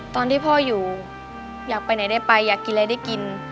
ตอนที่พ่ออยู่อยากไปไหนได้ไปอยากกินอะไรได้กิน